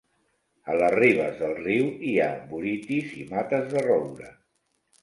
A les ribes del riu hi ha buritis i mates de roure.